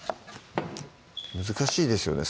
難しいですよね